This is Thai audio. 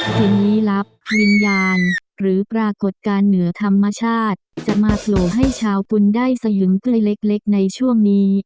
สิ่งลี้ลับวิญญาณหรือปรากฏการณ์เหนือธรรมชาติจะมาโผล่ให้ชาวกุลได้สยึงกล้วยเล็กในช่วงนี้